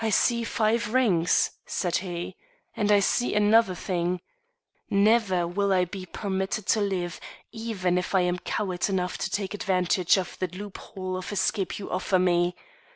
"I see five rings," said he, "and I see another thing. Never will I be permitted to live even if I am coward enough to take advantage of the loophole of escape you offer me.